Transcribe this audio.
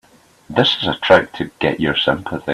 This is a trick to get your sympathy.